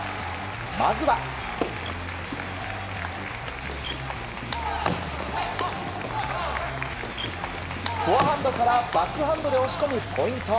まずは、フォアハンドからバックハンドで押し込みポイント。